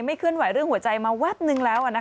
ไม่เคลื่อนไหวหัวใจมาแนะนึงแล้ว